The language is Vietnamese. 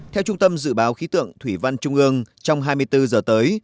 theo trung tâm dự báo khí tượng thủy văn trung ương trong hai mươi bốn giờ tới